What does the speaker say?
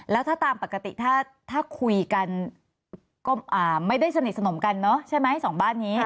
แล้วถ้าตามปกติถ้าคุยกันก็ไม่ได้สนิทสนมกันเนอะใช่ไหมสองบ้านนี้